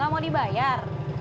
iya nyak tadi pagi amput